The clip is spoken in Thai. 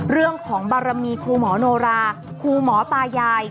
เรื่องของบารมีครูหมอโนราครูหมอตายาย